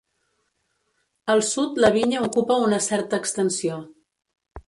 Al sud la vinya ocupa una certa extensió.